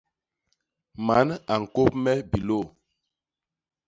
Man a ñkôp me bilôô.